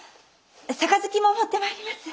杯も持ってまいります。